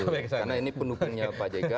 karena ini penuh penyapa jk